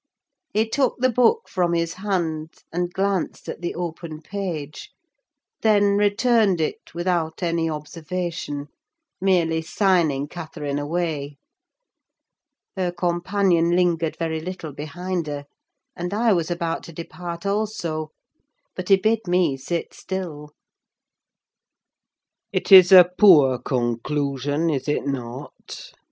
He took the book from his hand, and glanced at the open page, then returned it without any observation; merely signing Catherine away: her companion lingered very little behind her, and I was about to depart also, but he bid me sit still. "It is a poor conclusion, is it not?"